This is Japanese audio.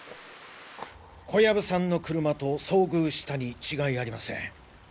小藪さんの車と遭遇したに違いありません。